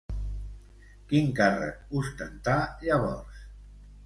Quin càrrec ostentà, llavors?